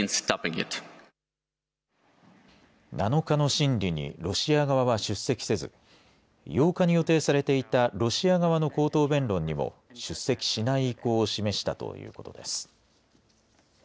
７日の審理にロシア側は出席せず８日に予定されていたロシア側の口頭弁論にも出席しない意向を示したということです。